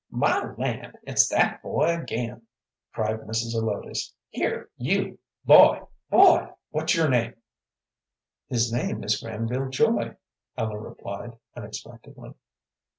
"My land! it's that boy again," cried Mrs. Zelotes. "Here, you boy! boy! What's your name?" "His name is Granville Joy," Ellen replied, unexpectedly.